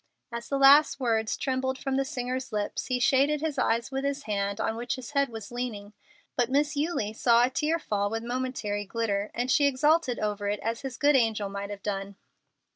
As the last words trembled from the singer's lips he shaded his eyes with the hand on which his head was leaning, but Miss Eulie saw a tear fall with momentary glitter, and she exulted over it as his good angel might have done.